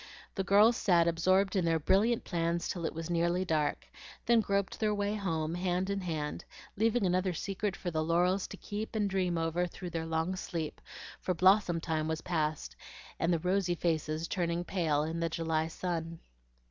The girls sat absorbed in their brilliant plans till it was nearly dark, then groped their way home hand in hand, leaving another secret for the laurels to keep and dream over through their long sleep, for blossom time was past, and the rosy faces turning pale in the July sun.